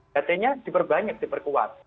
berarti nya diperbanyak diperkuat